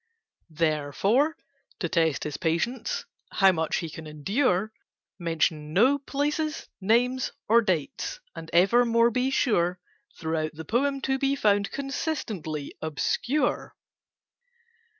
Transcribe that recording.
"Therefore, to test his patience— How much he can endure— Mention no places, names, or dates, And evermore be sure Throughout the poem to be found Consistently obscure.